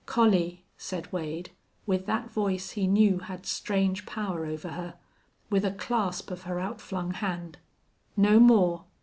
"Collie," said Wade, with that voice he knew had strange power over her, with a clasp of her outflung hand, "no more!